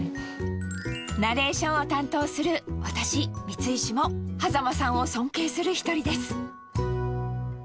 ナレーションを担当する私、三石も、羽佐間さんを尊敬する１人です。